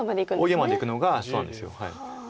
大ゲイマまでいくのがそうなんです。